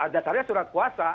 dasarnya surat kuasa